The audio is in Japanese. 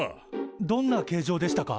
どんな形状でしたか？